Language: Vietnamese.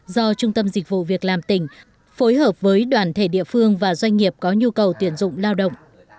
do trung tâm dịch vụ việc làm tỉnh phối hợp với đoàn thể địa phương và doanh nghiệp có nhu cầu tuyển dụng lao động